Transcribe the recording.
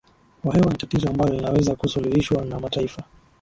wa hewa ni tatizo ambalo linaweza kusuluhishwa na mataifa